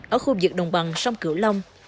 ở khu vực đồng bằng sông cửu long